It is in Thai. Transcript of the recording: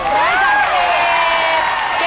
เก่งมาก